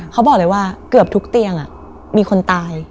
เขาบอกเลยว่าเกือบทุกเตียงมีคนตาย